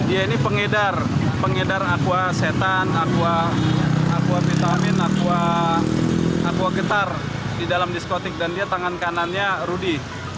dia ini pengedar pengedar aqua setan aquavitamin aqua getar di dalam diskotik dan dia tangan kanannya rudy